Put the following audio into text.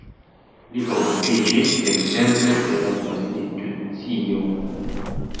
Li okupiĝis ekzemple pri la konstitucio.